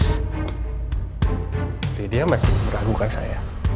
bu lydia masih meragukan saya